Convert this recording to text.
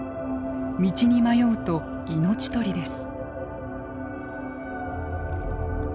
道に迷うと命取りです。